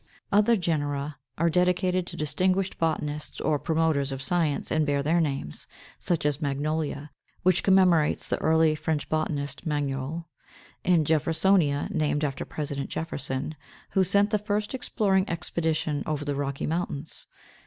Other genera are dedicated to distinguished botanists or promoters of science, and bear their names: such are Magnolia, which commemorates the early French botanist, Magnol; and Jeffersonia, named after President Jefferson, who sent the first exploring expedition over the Rocky Mountains.